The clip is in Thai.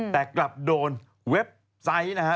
แต่กลับโดนเว็บไซต์นะฮะ